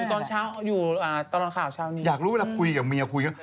อยู่ตอนเช้าอยู่อ่าตอนร้านข่าวเช้านี้อยากรู้เวลาคุยกับเมียคุย